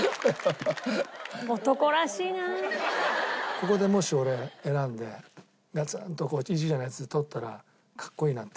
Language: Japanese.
ここでもし俺選んでガツンと１位じゃないやつ取ったらかっこいいなって？